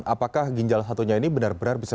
apakah ginjal satunya ini benar benar bisa